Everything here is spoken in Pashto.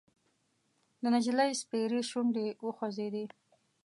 د نجلۍ سپېرې شونډې وخوځېدې: